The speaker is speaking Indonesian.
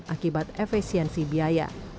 akibat efesiensi biaya